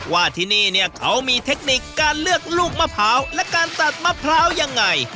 ว่าที่นี่เนี่ยเขามีเทคนิคการเลือกลูกมะพร้าวและการตัดมะพร้าวยังไง